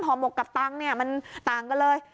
หมกกับตังค์เนี่ยมันต่างกันเลย